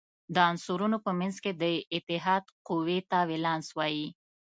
د عنصرونو په منځ کې د اتحاد قوې ته ولانس وايي.